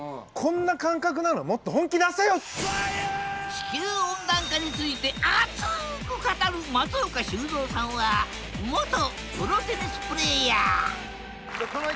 地球温暖化についてアツく語る松岡修造さんは元プロテニスプレーヤー